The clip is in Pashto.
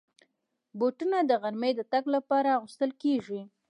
بوټونه د غرمې د تګ لپاره اغوستل کېږي.